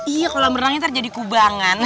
iya kolam renang ini ntar jadi kubangan